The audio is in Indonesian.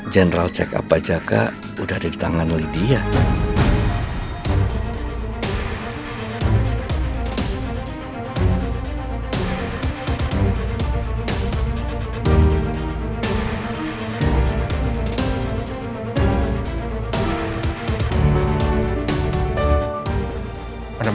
general check up pak jaka udah ada di tangan lidia